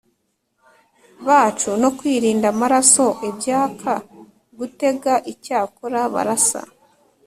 bacu no kwirinda amaraso Ibyaka Gutega Icyakora barasa